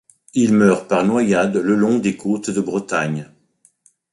Il meurt par noyade le long des côtes de Bretagne.